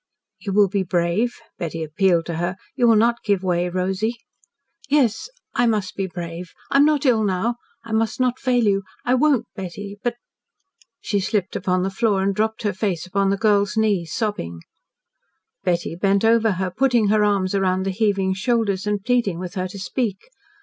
"You will be brave?" Betty appealed to her. "You will not give way, Rosy?" "Yes, I must be brave I am not ill now. I must not fail you I won't, Betty, but " She slipped upon the floor and dropped her face upon the girl's knee, sobbing. Betty bent over her, putting her arms round the heaving shoulders, and pleading with her to speak.